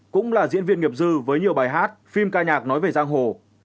cũng là diễn viên nghiệp dư với nhiều bài hát phim ca nhạc nói về giang hồ